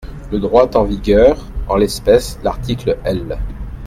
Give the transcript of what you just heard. Le droit en vigueur, en l’espèce l’article L.